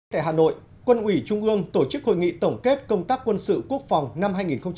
tại hà nội quân ủy trung ương tổ chức hội nghị tổng kết công tác quân sự quốc phòng năm hai nghìn một mươi chín